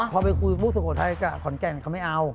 พอไปคุยผู้สุโขทัยกับขอนแก่นเขาไม่เอา